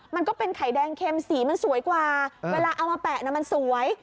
มันก็เป็นไข่แดงเข็มสีมันสวยกว่าเวลาเอามาแปะมันสวย